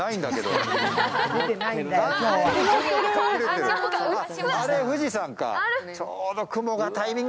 あれ富士山か。